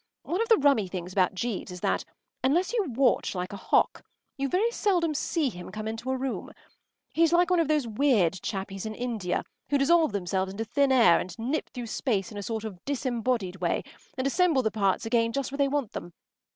One of the rummy things about Jeeves is that, unless you watch like a hawk, you very seldom see him come into a room. He’s like one of those weird chappies in India who dissolve themselves into thin air and nip through space in a sort of disembodied way and assemble the parts again just where they want them.